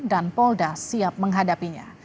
dan polda siap menghadapinya